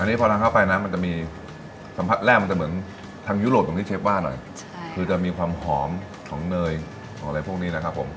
อันนี้พอทานเข้าไปนะมันจะมีสัมผัสแร่มันจะเหมือนทางยุโรปตรงที่เชฟว่าหน่อยคือจะมีความหอมของเนยของอะไรพวกนี้นะครับผม